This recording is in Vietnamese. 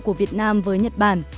của việt nam với nhật bản